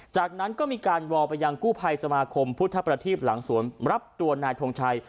จากนั้นก็มีการวอลไปยังกู้ภัยสมาคมพุทธประทีปหลังสวนรับตัวนายทงชัย